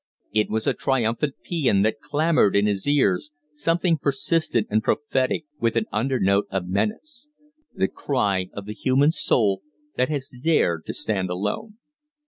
It was a triumphant paean that clamored in his ears, something persistent and prophetic with an undernote of menace. The cry of the human soul that has dared to stand alone.